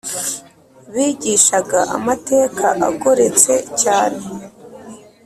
bigishaga amateka agoretse cyane